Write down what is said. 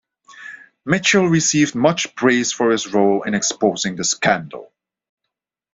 Mitchell received much praise for his role in exposing the scandal.